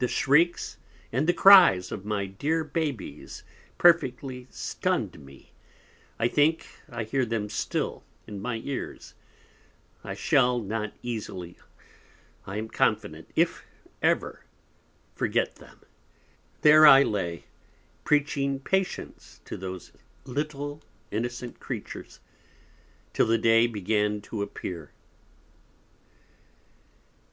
The Shrieks and the Cries of my dear Babes perfectly stun'd me; I think I hear them still in my Ears, I shall not easily, I am confident, if ever, forget them. There I lay preaching Patience to those little Innocent Creatures, till the Day began to appear.